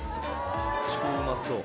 超うまそう。